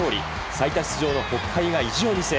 最多出場の北海が意地を見せ